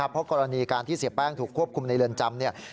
เพราะกรณีการที่เสียแป้งถูกควบคุมในเรือนจำเนี่ย